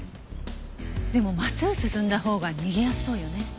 でも真っすぐ進んだほうが逃げやすそうよね。